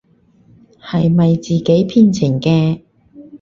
係咪自己編程嘅？